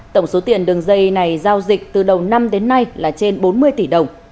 tổng số tiền đường dây này giao dịch từ đầu năm đến nay là trên bốn mươi tỷ đồng